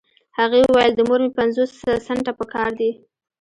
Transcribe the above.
هغې وويل د مور مې پنځوس سنټه پهکار دي.